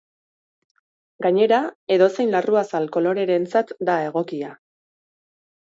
Gainera, edozein larruazal kolorerentzat da egokia.